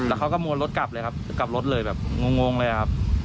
แล้วเขาก็มวลรถกลับเลยครับกลับรถเลยแบบงงเลยครับ